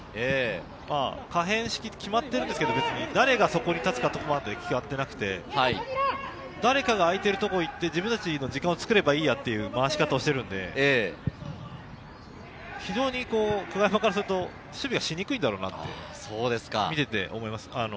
可変式って決まってるんですけれど、誰がそこに立つってことまでは決まっていなくて、誰かが空いてるところに行って自分たちを時間をつくればいいやという回し方をしてるので、非常に久我山からすると、守備がしにくいんだろうなと思います。